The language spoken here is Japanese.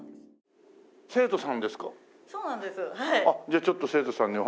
じゃあちょっと生徒さんに。